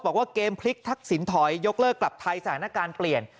บอกว่าเกมพลิกทักษิณถอยยกเลิกกลับไทยสถานการณ์เปลี่ยน